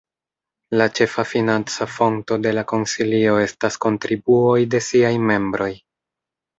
La ĉefa financa fonto de la Konsilio estas kontribuoj de siaj membroj.